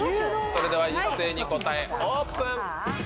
それでは一斉に答えオープン。